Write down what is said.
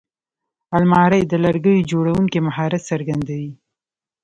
الماري د لرګیو جوړوونکي مهارت څرګندوي